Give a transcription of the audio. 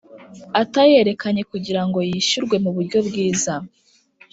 atayerekanye kugira ngo yishyurwe mu buryo bwiza